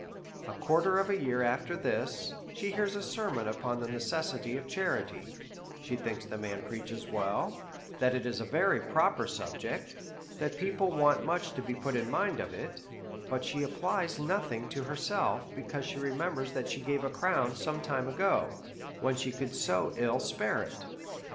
A quarter of a year after this she hears a sermon upon the necessity of charity ; she thinks the man preaches well, that it is a very proper subject, that people want much to be put in mind of it ; but she applies nothing to herself, because she re members that she gave a crown some time ago, when she could ill spare it.